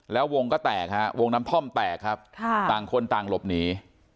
แล้ววงก์นำพ่อมแตกครับต่างคนต่างหลบหนี